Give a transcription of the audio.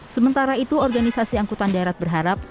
sementara itu organisasi angkutan darat berharap